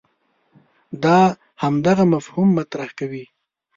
دا همدغه مفهوم مطرح کوي.